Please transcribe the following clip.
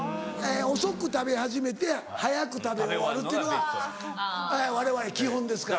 遅く食べ始めて早く食べ終わるっていうのがわれわれ基本ですからね。